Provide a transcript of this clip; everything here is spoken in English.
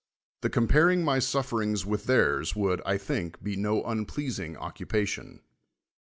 The compai'ing my suf I'ci'ings with theirs would, I think, be no unpleas ing oc< upation.